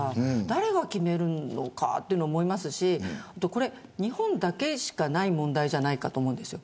誰が決めるのかと思いますしこれ、日本だけしかない問題じゃないかと思うんです。